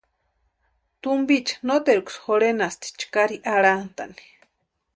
Tumpicha noteruksï jurhenasti chʼkari arhantʼani.